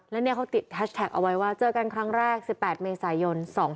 แล้วเนี้ยเขาติดเอาไว้ว่าเจอกันครั้งแรกสิบแปดเมษายนสอง